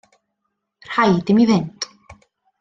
Rhaid i mi fynd.